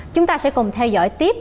chúng ta sẽ cùng theo dõi tiếp